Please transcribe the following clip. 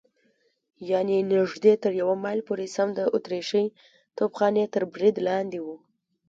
یعنې نږدې تر یوه مایل پورې سم د اتریشۍ توپخانې تر برید لاندې و.